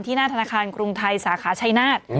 หน้าธนาคารกรุงไทยสาขาชัยนาธ